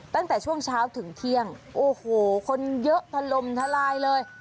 ตั้งแต่ช่วงเช้าถึงเที่ยงโอ้โหคนเยอะทะลมทลายเลย